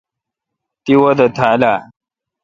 تی وادہ تھا اؘ ۔